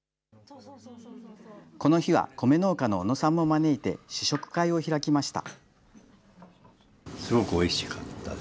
この日は、米農家の小野さんも招いて、試食会を開きました。